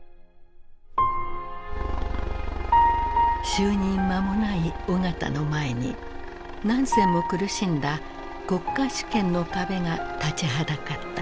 就任間もない緒方の前にナンセンも苦しんだ国家主権の壁が立ちはだかった。